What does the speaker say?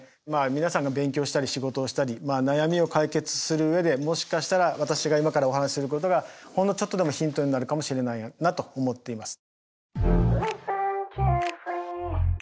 皆さんが勉強したり仕事をしたり悩みを解決する上でもしかしたら私が今からお話しすることがほんのちょっとでもヒントになるかもしれないなと思っています。